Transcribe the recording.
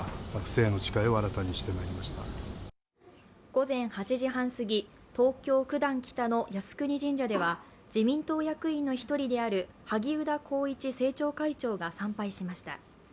午前８時半過ぎ、東京・九段北の靖国神社では自民党役員の１人である萩生田光一政調会長が参拝しました。